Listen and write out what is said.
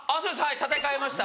建て替えました。